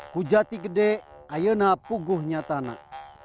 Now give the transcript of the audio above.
ku jati gede ayena puguhnya tanak